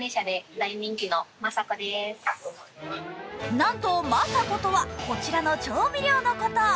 なんとマサコとはこちらの調味料のこと。